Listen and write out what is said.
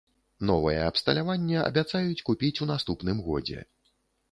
Новае абсталяванне абяцаюць купіць у наступным годзе.